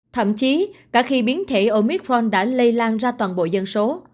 thậm chí cả khi biến thể omicron đã lây lan ra toàn bộ dân số